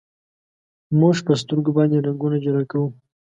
موږ په سترګو باندې رنګونه جلا کوو.